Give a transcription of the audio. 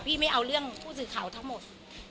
ไม่เอาเรื่องผู้สื่อข่าวทั้งหมด